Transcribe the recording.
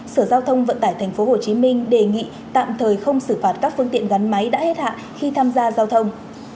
sở giao thông vận tải tp hồ chí minh đề nghị tạm thời không xử phạt các phương tiện gắn máy đã hết hạng khi tham gia giao thông